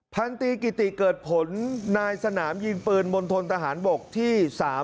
พันธีกิติเกิดผลนายสนามยิงปืนมณฑนทหารบกที่๓